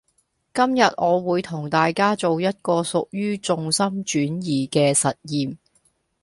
今日我會同大家做一個屬於重心轉移嘅實驗